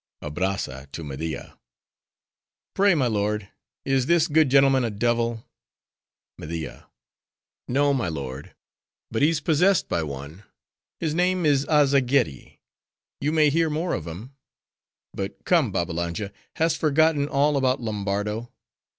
ABRAZZA (to Media)—Pray, my lord, is this good gentleman a devil? MEDIA.—No, my lord; but he's possessed by one. His name is Azzageddi. You may hear more of him. But come, Babbalanja, hast forgotten all about Lombardo?